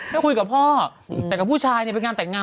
ได้คุยกับพ่อแต่กับผู้ชายเนี่ยเป็นงานแต่งงาน